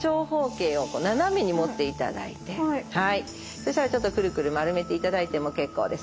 そしたらちょっとくるくるまるめていただいても結構です。